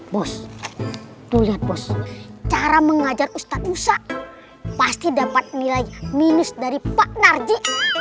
bos lihat bos cara mengajar ustadz ustadz pasti dapat nilai minus dari pak narji